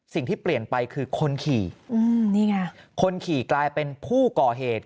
สิ่งที่เปลี่ยนไปคือคนขี่อืมนี่ไงคนขี่กลายเป็นผู้ก่อเหตุ